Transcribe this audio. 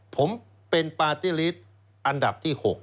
ผมเป็นปาติฤทธิ์อันดับที่๖